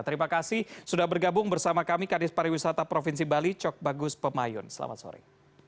terima kasih sudah bergabung bersama kami kadis pariwisata provinsi bali cok bagus pemayun selamat sore